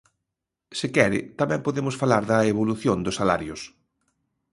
Se quere, tamén podemos falar da evolución dos salarios.